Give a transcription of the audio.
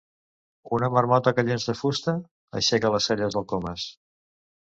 Una marmota que llença fusta? —aixeca les celles el Comas.